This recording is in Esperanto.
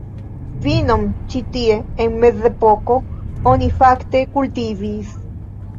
Vinon ĉi tie en mezepoko oni fakte kultivis.